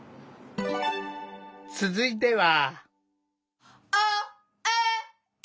続いては。